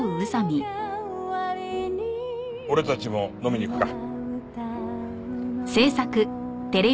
俺たちも飲みに行くか。